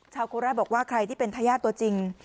โคราชบอกว่าใครที่เป็นทายาทตัวจริง